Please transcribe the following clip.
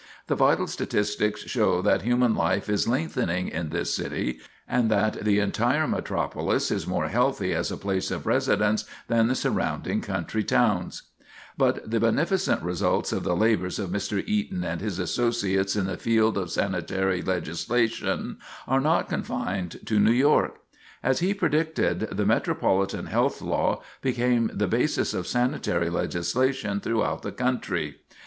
The vital statistics show that human life is lengthening in this city, and that the entire metropolis is more healthy as a place of residence than the surrounding country towns. [Sidenote: Sanitation in Other Cities] But the beneficent results of the labors of Mr. Eaton and his associates in the field of sanitary legislation are not confined to New York. As he predicted, the Metropolitan Health Law became the basis of sanitary legislation throughout the country.